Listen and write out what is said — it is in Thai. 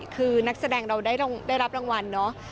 คือนักแสดงเราได้รับรางวัลเนอะ